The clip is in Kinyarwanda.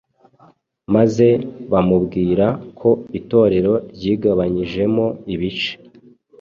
maze bamubwira ko Itorero ryigabanyijemo ibice.